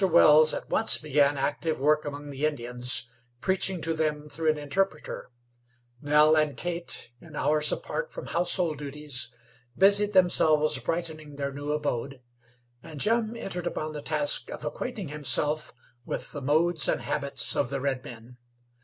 Wells at once began active work among the Indians, preaching to them through an interpreter; Nell and Kate, in hours apart from household duties, busied themselves brightening their new abode, and Jim entered upon the task of acquainting himself with the modes and habits of the redmen.